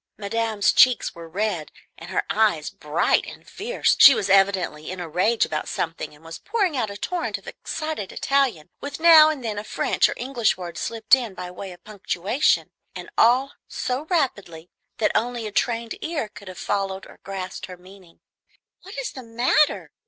Madame's cheeks were red, and her eyes bright and fierce; she was evidently in a rage about something, and was pouring out a torrent of excited Italian, with now and then a French or English word slipped in by way of punctuation, and all so rapidly that only a trained ear could have followed or grasped her meaning. "What is the matter?"